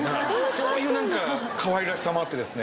そういう何かかわいらしさもあってですね